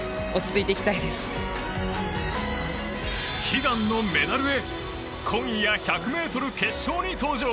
悲願のメダルへ今夜１００ｍ決勝に登場！